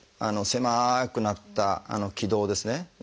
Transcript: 狭くなった気道ですね